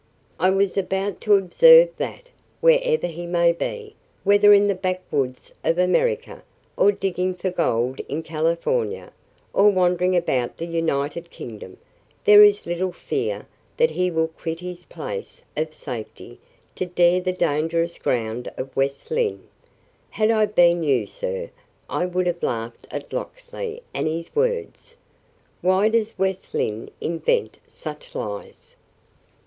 "I was about to observe that, wherever he may be whether in the backwoods of America, or digging for gold in California, or wandering about the United Kingdom there is little fear that he will quit his place of safety to dare the dangerous ground of West Lynne. Had I been you, sir, I should have laughed at Locksley and his words." "Why does West Lynne invent such lies?"